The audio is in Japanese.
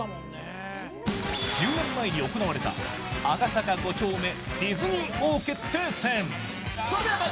１０年前に行われた赤坂５丁目ディズニー王決定戦。